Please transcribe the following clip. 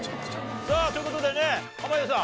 さあという事でね濱家さん